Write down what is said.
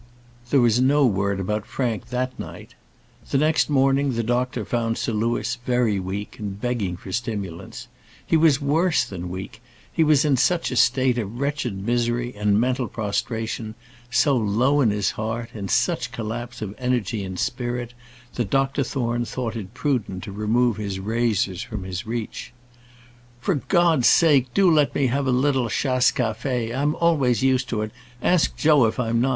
There was no word about Frank that night. The next morning the doctor found Sir Louis very weak, and begging for stimulants. He was worse than weak; he was in such a state of wretched misery and mental prostration; so low in heart, in such collapse of energy and spirit, that Dr Thorne thought it prudent to remove his razors from his reach. "For God's sake do let me have a little chasse café; I'm always used to it; ask Joe if I'm not!